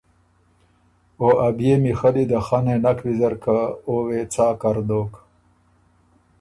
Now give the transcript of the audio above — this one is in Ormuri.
او ا بيې میخلي ده خنېن نک ویزر که او وې څا کر دوک؟